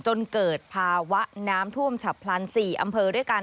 จนเกิดภาวะน้ำท่วมฉับพลัน๔อำเภอด้วยกัน